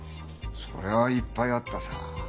そりゃいっぱいあったさ。